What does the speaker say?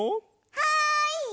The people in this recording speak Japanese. はい！